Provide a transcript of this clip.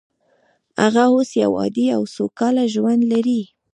هغه اوس یو عادي او سوکاله ژوند لري